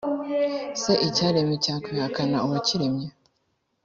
se icyaremwe cyakwihakana uwakiremye